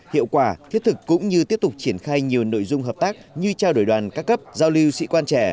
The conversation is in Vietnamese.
hiệu quả thiết thực cũng như tiếp tục triển khai nhiều nội dung hợp tác như trao đổi đoàn các cấp giao lưu sĩ quan trẻ